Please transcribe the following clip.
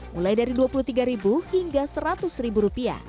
mulai dari rp dua puluh tiga hingga rp seratus